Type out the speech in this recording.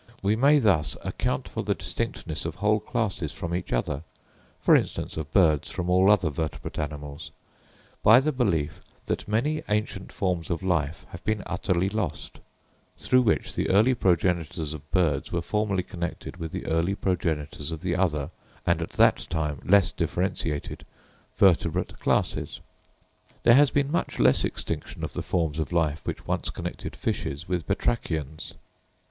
We may thus account for the distinctness of whole classes from each other—for instance, of birds from all other vertebrate animals—by the belief that many ancient forms of life have been utterly lost, through which the early progenitors of birds were formerly connected with the early progenitors of the other and at that time less differentiated vertebrate classes. There has been much less extinction of the forms of life which once connected fishes with Batrachians.